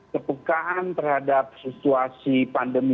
kepekaan terhadap situasi pandemi